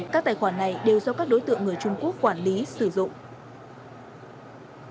các tài khoản này đều do các đối tượng người trung quốc quản lý sử dụng